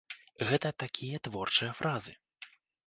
Гэта такія творчыя фазы.